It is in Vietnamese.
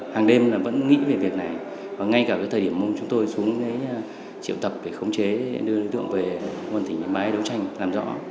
hàng đêm là vẫn nghĩ về việc này và ngay cả thời điểm chúng tôi xuống chiều tập để khống chế đưa đối tượng về quân thỉnh máy đấu tranh làm rõ